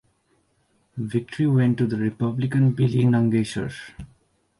Victory went to the Republican Billy Nungesser.